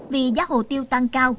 vì giá hồ tiêu tăng cao